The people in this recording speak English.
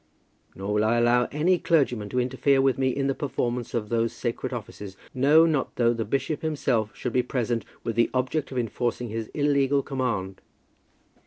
Nor will I allow any clergyman to interfere with me in the performance of those sacred offices, no, not though the bishop himself should be present with the object of enforcing his illegal command."